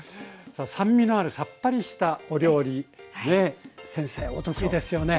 さあ酸味のあるさっぱりしたお料理ね先生お得意ですよね？